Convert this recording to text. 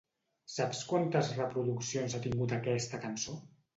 Saps quantes reproduccions ha tingut aquesta cançó?